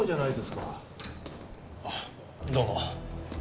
あっどうも。